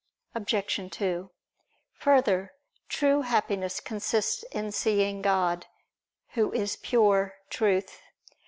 Obj. 2: Further, True Happiness consists in seeing God, Who is pure Truth.